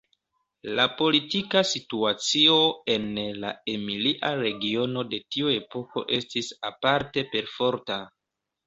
La politika situacio en la Emilia regiono de tiu epoko estis aparte perforta.